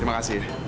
terima kasih ya